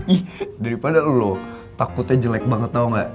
ih daripada lo takutnya jelek banget tau gak